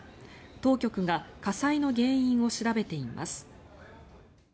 当局が火災の原因を調べています。